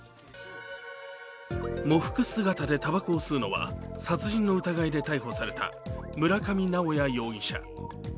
喪服姿でたばこを吸うのは殺人の疑いで逮捕された村上直哉容疑者。